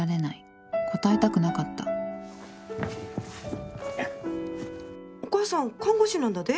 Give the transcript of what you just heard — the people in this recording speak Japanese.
答えたくなかったお母さん看護師なんだで？